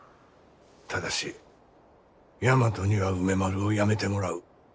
ただし大和には梅丸をやめてもらう。